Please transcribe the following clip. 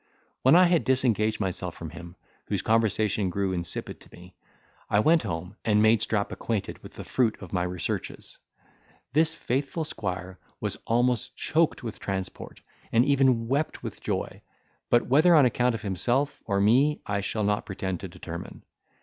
When I had disengaged myself from him, whose conversation grew insipid to me, I went home, and made Strap acquainted with the fruit of my researches. This faithful squire was almost choked with transport, and even wept with joy; but whether on account of himself or me, I shall not pretend to determine.